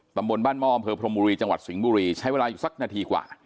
ตำบลบ้านหม้ออำเภอพรมบุรีจังหวัดสิงห์บุรีใช้เวลาอยู่สักนาทีกว่า